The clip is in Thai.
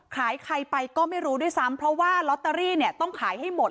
ใครไปก็ไม่รู้ด้วยซ้ำเพราะว่าลอตเตอรี่เนี่ยต้องขายให้หมด